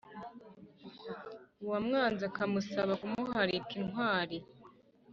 uwamwanze akamusaba kumuharika intwari